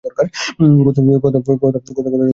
কথা শেষ করিয়া কী যেন ভাবে মতি।